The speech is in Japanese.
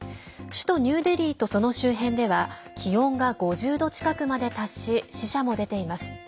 首都ニューデリーとその周辺では気温が５０度近くまで達し死者も出ています。